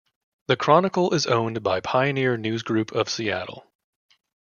The "Chronicle" is owned by Pioneer News Group of Seattle.